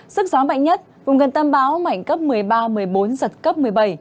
sức gió mạnh nhất vùng gần tâm bão mạnh cấp một mươi ba một mươi bốn giật cấp một mươi bảy